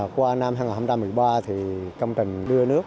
qua năm hai nghìn một mươi ba thì công trình đưa nước